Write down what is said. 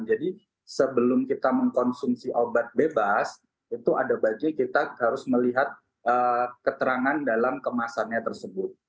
jadi sebelum kita mengonsumsi obat bebas itu ada bagian kita harus melihat keterangan dalam kemasannya tersebut